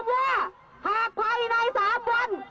เพราะฉะนั้นหมายความว่า